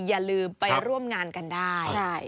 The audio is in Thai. อย่าลืมไปร่วมงานกันได้